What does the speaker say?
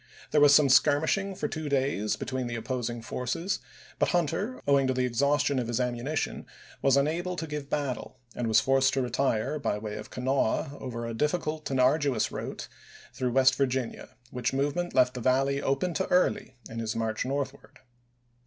There was some skirmishing for two days between the opposing forces, but Hunter, owing to the exhaus tion of his ammunition, was unable to give battle, and was forced to retire by way of Kanawha over a difficult and arduous route through West Virginia, which movement left the Valley open to Early in his march northward.